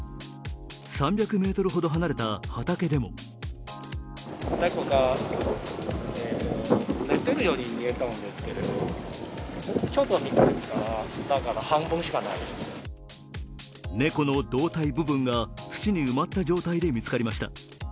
３００ｍほど離れた畑でも猫の胴体部分が土に埋まった状態で見つかりました。